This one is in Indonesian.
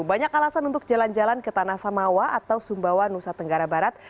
banyak alasan untuk jalan jalan ke tanah samawa atau sumbawa nusa tenggara barat